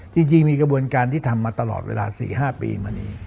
จริงมีกระบวนการที่ทำมาตลอดเวลา๔๕ปีมานี้